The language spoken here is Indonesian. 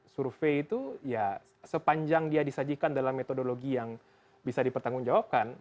survei itu ya sepanjang dia disajikan dalam metodologi yang bisa dipertanggungjawabkan